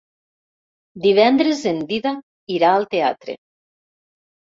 Divendres en Dídac irà al teatre.